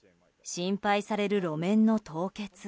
心配される路面の凍結。